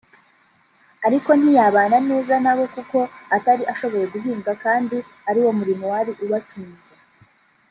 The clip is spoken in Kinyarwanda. Ariko ntiyabana neza na bo kuko atari ashoboye guhinga kandi ari wo murimo wari ubatunze